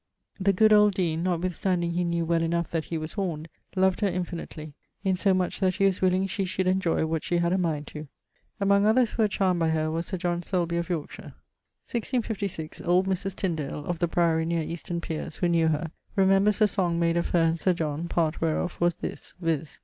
The good old deane, notwithstanding he knew well enough that he was horned, loved her infinitely: in so much that he was willing she should enjoy what she had a mind to. Among others who were charmed by her was Sir John Selby of Yorkshire. 1656, old Mris Tyndale (of the Priory near Easton piers), who knew her, remembres a song made of her and Sir John, part whereof was this, vizt.